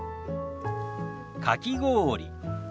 かき氷。